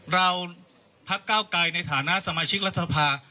เราพักก้าวไกลในฐานะสมาชิกรัฐภาคม